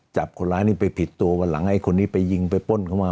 จับคนร้ายนี่ไปผิดตัววันหลังไอ้คนนี้ไปยิงไปป้นเข้ามา